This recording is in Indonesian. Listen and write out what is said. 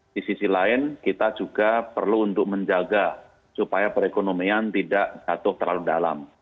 di sisi lain kita juga perlu untuk menjaga supaya perekonomian tidak jatuh terlalu dalam